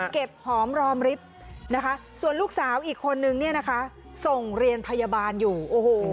เก็บหอมรอมริฟท์นะคะส่วนลูกสาวอีกคนนึงเนี่ยนะคะส่งเรียนพยาบาลอยู่โอ้โห